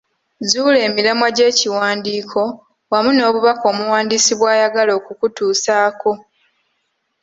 Zuula emiramwa gy'ekiwandiiko wamu n'obubaka omuwandiisi bw'ayagala okukutuusaako.